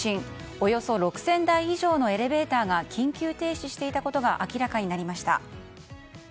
およそ６０００台以上のエレベーターが緊急停止していたことが明らかになりました。